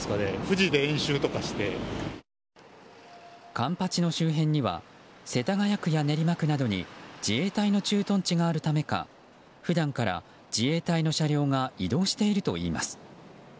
環八の周辺には世田谷区や練馬区などに自衛隊の駐屯地があるためか普段から、自衛隊の車両が移動しているといいます。